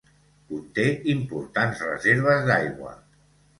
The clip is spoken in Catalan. Conté importants reserves d'aigua.